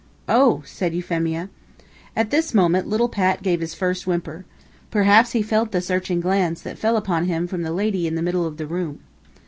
"Oh!" said Euphemia. At this moment, little Pat gave his first whimper. Perhaps he felt the searching glance that fell upon him from the lady in the middle of the room.